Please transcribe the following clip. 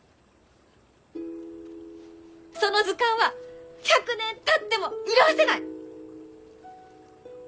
その図鑑は１００年たっても色あせない！